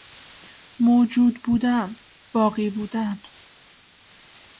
موجود بودن، باقی بودن